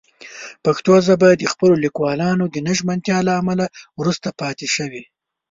پښتو ژبه د خپلو لیکوالانو د نه ژمنتیا له امله وروسته پاتې شوې.